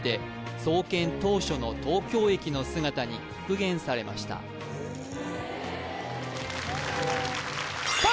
創建当初の東京駅の姿に復原されましたさあ